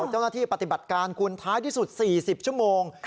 เจ้าหน้าที่ปฏิบัติการคุณท้ายที่สุด๔๐ชั่วโมง